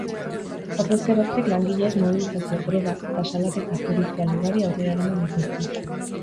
Orduz geroztik langileek mobilizazio, greba eta salaketa judizial ugari aurrera eraman dituzte.